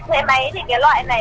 lệ máy thì cái loại này cũng quá rẻ